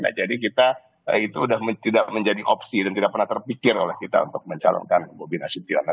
nah jadi kita itu sudah tidak menjadi opsi dan tidak pernah terpikir oleh kita untuk mencalonkan bobi nasution